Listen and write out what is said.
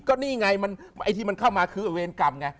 ก็นี่ไงไอ้ที่มันเข้ามาคือเวรกรรมไง